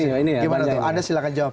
gimana tuh anda silahkan jawab